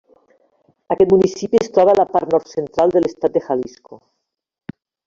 Aquest municipi es troba a la part nord-central de l'estat de Jalisco.